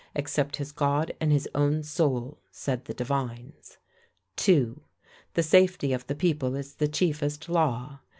"Except his God and his own soul, said the divines. "2. The safety of the people is the chiefest law.